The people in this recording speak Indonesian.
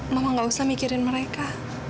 mama tidak usah mikirkan mereka